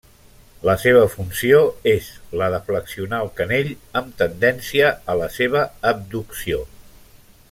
La seva funció és la de flexionar el canell, amb tendència a la seva abducció.